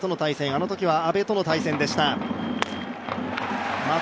あのときは阿部との対戦でした。